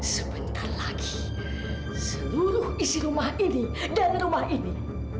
sebentar lagi seluruh isi rumah ini dan rumah ini